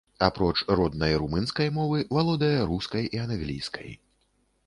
Апроч роднай румынскай мовы, валодае рускай і англійскай.